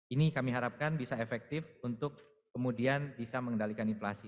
ini kami harapkan bisa efektif untuk kemudian bisa mengendalikan inflasi